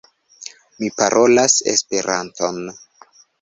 Mi parolas Esperanton.